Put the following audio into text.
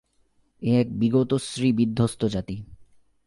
এ এক বিগতশ্রী বিধ্বস্ত জাতি।